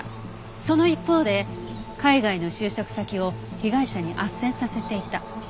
その一方で海外の就職先を被害者に斡旋させていた。